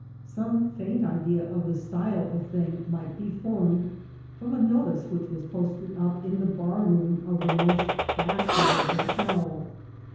Some faint idea of the style of thing might be formed from a notice which was posted up in the bar room of the most fashionable hotel.